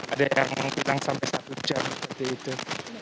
ada yang menghilang sampai satu jam seperti itu